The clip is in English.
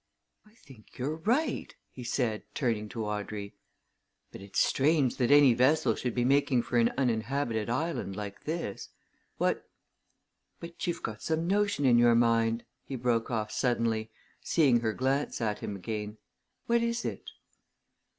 "I think you're right," he said, turning to Audrey. "But it's strange that any vessel should be making for an uninhabited island like this. What but you've got some notion in your mind?" he broke off suddenly, seeing her glance at him again. "What is it?"